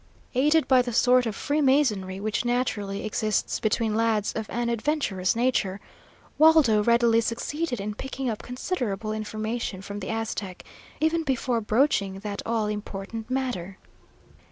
Aided by the sort of freemasonry which naturally exists between lads of an adventurous nature, Waldo readily succeeded in picking up considerable information from the Aztec, even before broaching that all important matter.